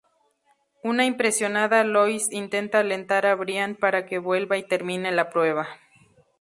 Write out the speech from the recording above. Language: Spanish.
Una impresionada Lois intenta alentar a Brian para que vuelva y termine la prueba.